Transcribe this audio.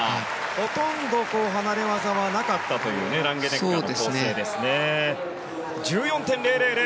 ほとんど離れ技はなかったというランゲネッガーの構成ですね。１４．０００！